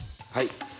はい！